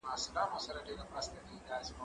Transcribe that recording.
زه بايد انځور وګورم؟